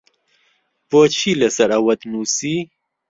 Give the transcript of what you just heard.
بۆچی لەسەر ئەوەت نووسی؟